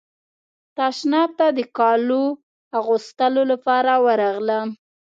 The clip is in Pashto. تشناب ته د کالو اغوستلو لپاره ورغلم.